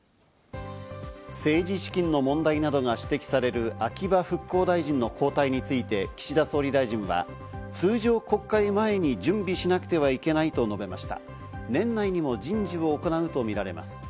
政治資金の問題などが指摘される秋葉復興大臣の交代について岸田総理大臣は、通常国会前に準備しなくてはいけないと述べました。